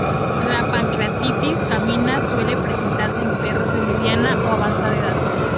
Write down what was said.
La pancreatitis canina suele presentarse en perros de mediana o avanzada edad.